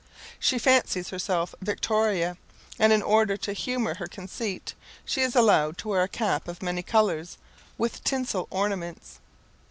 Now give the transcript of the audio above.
She fancies herself Victoria, and in order to humour her conceit, she is allowed to wear a cap of many colours, with tinsel ornaments.